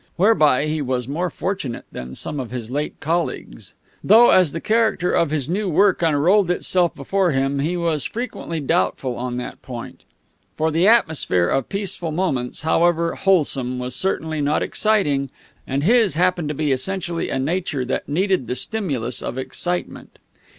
Whereby he was more fortunate than some of his late colleagues; though, as the character of his new work unrolled itself before him, he was frequently doubtful on that point. For the atmosphere of Peaceful Moments, however wholesome, was certainly not exciting, and his happened to be essentially a nature that needed the stimulus of excitement.